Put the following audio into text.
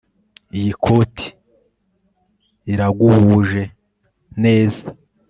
Iyi koti iraguhuje neza